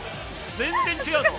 全然違うぞ。